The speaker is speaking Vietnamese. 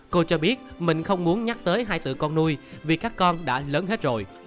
cô cho biết mình không muốn nhắc tới hai tự con nuôi vì các con đã lớn hết rồi